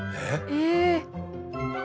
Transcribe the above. え？